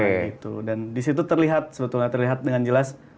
nah gitu dan di situ terlihat sebetulnya terlihat dengan jelas